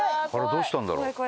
どうしたんだろう？